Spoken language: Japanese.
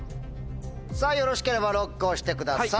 さぁよろしければＬＯＣＫ押してください。